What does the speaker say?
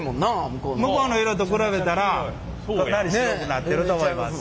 向こうの色と比べたらかなり白くなってると思います。